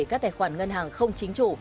các tài khoản ngân hàng không chính trụ